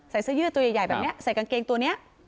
เสื้อยืดตัวใหญ่แบบนี้ใส่กางเกงตัวนี้